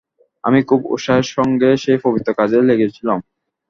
আমি খুব উৎসাহের সঙ্গেই সেই পবিত্র কাজে লেগেছিলুম।